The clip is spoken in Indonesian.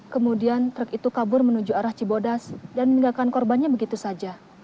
kemudian truk itu kabur menuju arah cibodas dan meninggalkan korbannya begitu saja